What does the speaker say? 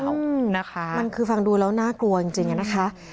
มันคือฟังดูแล้วน่ากลัวจริงอะนะคะ